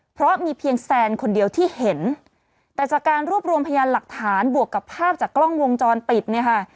เพราะมีเพียงแซนคนเดียวที่เห็นแต่จากการรวบรวมพยานหลักฐานบวกกับภาพจากกล้องวงจรปิดเนี่ยค่ะ